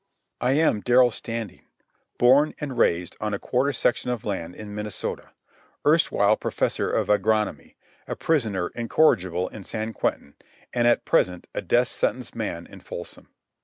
I am Darrell Standing, born and raised on a quarter section of land in Minnesota, erstwhile professor of agronomy, a prisoner incorrigible in San Quentin, and at present a death sentenced man in Folsom.